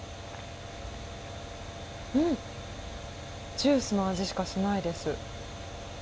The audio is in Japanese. ジュースの味しかしないです。